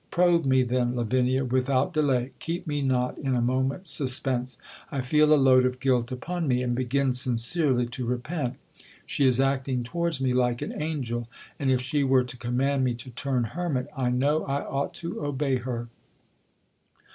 Probe me, then, Lavinia, with out delay. Keep me not in a moment's suspense. I ieel a load of guilt upon mc, and begin sincerely to re pent. She is acting towards me like an angel ; and if she were to command me to turn hermit, I know I ought to obey her.